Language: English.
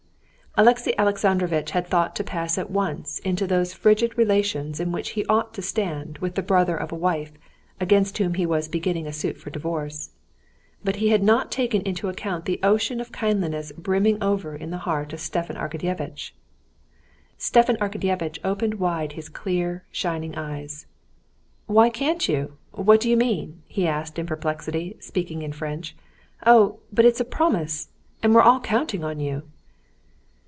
Alexey Alexandrovitch had thought to pass at once into those frigid relations in which he ought to stand with the brother of a wife against whom he was beginning a suit for divorce. But he had not taken into account the ocean of kindliness brimming over in the heart of Stepan Arkadyevitch. Stepan Arkadyevitch opened wide his clear, shining eyes. "Why can't you? What do you mean?" he asked in perplexity, speaking in French. "Oh, but it's a promise. And we're all counting on you."